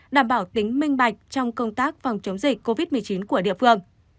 đảm bảo tính minh bạch trong công tác phòng chống dịch covid một mươi chín của địa phương